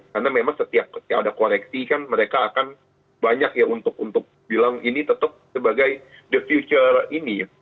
karena memang setiap ada koreksi kan mereka akan banyak ya untuk bilang ini tetap sebagai the future ini ya